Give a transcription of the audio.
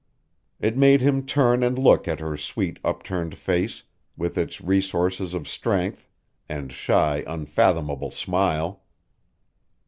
It made him turn and look at her sweet, upturned face, with its resources of strength and shy, unfathomable smile.